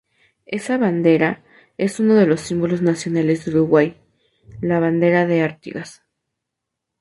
Esa bandera es uno de los símbolos nacionales de Uruguay, la "bandera de Artigas".